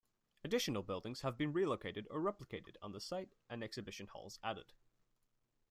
Additional buildings have been relocated or replicated on the site and exhibition halls added.